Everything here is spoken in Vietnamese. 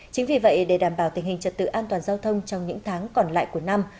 chính vì vậy để đảm bảo tình hình trật tự an toàn giao thông trong những tháng còn lại của năm